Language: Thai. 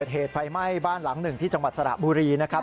เหตุไฟไหม้บ้านหลังหนึ่งที่จังหวัดสระบุรีนะครับ